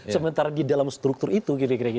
sementara di dalam struktur itu